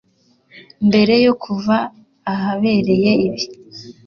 Mbere yo kuva ahabereye ibi